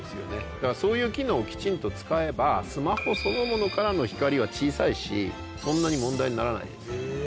だからそういう機能をきちんと使えばスマホそのものからの光は小さいしそんなに問題にならないです。